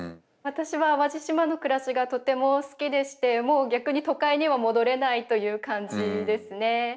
私は淡路島の暮らしがとても好きでしてもう逆に都会には戻れないという感じですね。